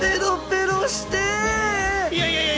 いやいやいやいや！